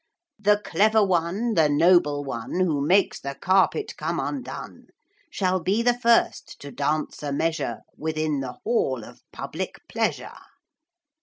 'The clever one, the noble one, Who makes the carpet come undone, Shall be the first to dance a measure Within the Hall of public pleasure.